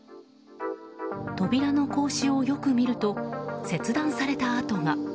扉の格子をよく見ると切断された跡が。